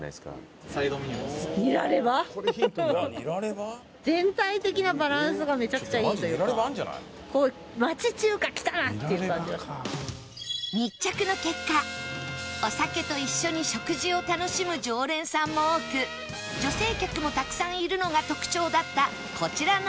もちろん密着の結果お酒と一緒に食事を楽しむ常連さんも多く女性客もたくさんいるのが特徴だったこちらのお店